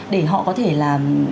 để họ có thể là